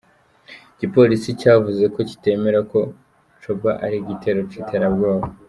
Igipolisi cavuze ko kitemera ko coba ari igitero c'iterabwoba.